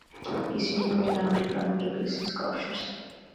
ისინი ქმნიან ანგლიკანური ეკლესიის კავშირს.